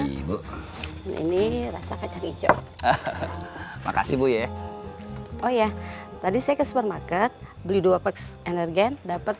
ini rasa kacang hijau makasih ya oh ya tadi saya ke supermarket beli dua box energen dapat